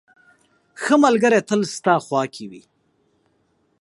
• ښه ملګری تل ستا خوا کې وي.